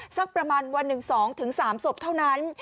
สักประมาณวันหนึ่ง๒๓ศพเท่านั้น